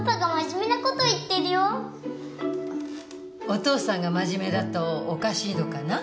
お父さんが真面目だとおかしいのかな？